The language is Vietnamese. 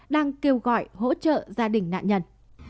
đang kêu gọi hỗ trợ gia đình nạn nhân